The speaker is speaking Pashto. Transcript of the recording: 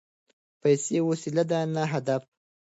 پیسې وسیله ده نه هدف.